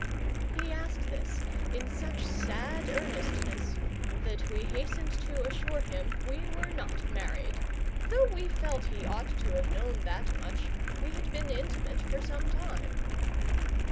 He asked this in such sad earnestness that we hastened to assure him we were not married, though we felt he ought to have known that much; we had been intimate for some time.